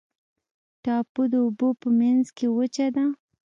ټاپو د اوبو په منځ کې وچه ده.